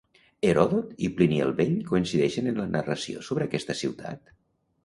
Heròdot i Plini el Vell coincideixen en la narració sobre aquesta ciutat?